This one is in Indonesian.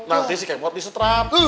nanti si kemot disetrap